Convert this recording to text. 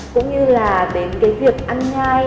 cũng như là đến cái việc ăn nhai